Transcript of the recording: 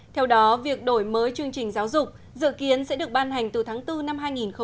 theo đó việc đổi mới chương trình giáo dục dự kiến sẽ được ban hành từ tháng bốn năm hai nghìn hai mươi